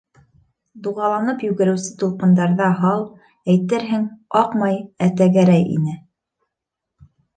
Дуғаланып йүгереүсе тулҡындарҙа һал, әйтерһең, аҡмай, ә тәгәрәй ине.